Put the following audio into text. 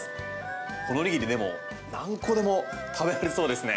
このおにぎり何個でも食べられそうですね。